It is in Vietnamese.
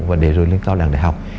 và để rồi lên cao đảng đại học